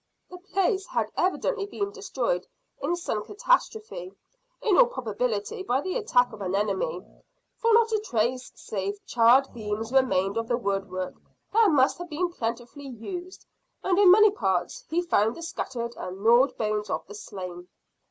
The place had evidently been destroyed in some catastrophe, in all probability by the attack of an enemy, for not a trace save charred beams remained of the woodwork that must have been plentifully used, and in many parts he found the scattered and gnawed bones of the slain."